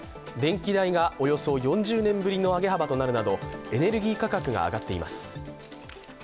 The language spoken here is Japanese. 電気代がおよそ４０年ぶりの上げ幅となるなどエネルギー価格が上がっています。